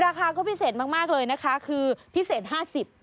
ราคาก็พิเศษมากเลยนะคะคือพิเศษ๕๐บาท